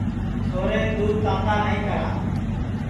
چھورین دؔودھ تاتا نائی کرا